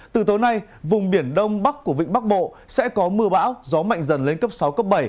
từ tối nay vùng biển đông bắc của vịnh bắc bộ sẽ có mưa bão gió mạnh dần lên cấp sáu cấp bảy